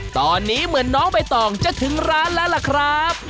ตอนนี้เหมือนน้องใบตองจะถึงร้านแล้วล่ะครับ